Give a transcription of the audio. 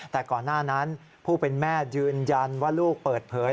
แต่ก่อนหน้านั้นผู้เป็นแม่ยืนยันว่าลูกเปิดเผย